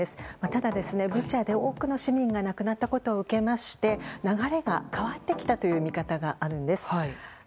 ただ、ブチャで多くの市民が亡くなったことを受けまして流れが変わってきたという見方があるんです。